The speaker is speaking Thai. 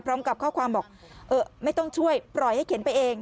พร้อมกับข้อความบอกเออไม่ต้องช่วยปล่อยให้เข็นไปเอง